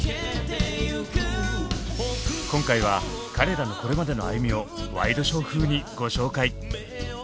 今回は彼らのこれまでの歩みをワイドショー風にご紹介。